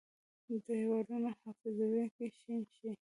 د دیوالونو حافظو کې شین شي،